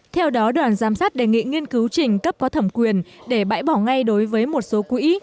theo đó đoàn giám sát đề nghị nghiên cứu trình cấp có thẩm quyền để bãi bỏ ngay đối với một số quỹ